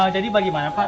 jadi bagaimana pak